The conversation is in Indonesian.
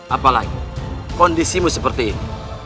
apalagi kondisimu seperti ini